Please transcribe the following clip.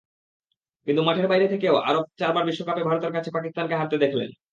কিন্তু মাঠের বাইরে থেকেও আরও চারবার বিশ্বকাপে ভারতের কাছে পাকিস্তানকে হারতে দেখলেন।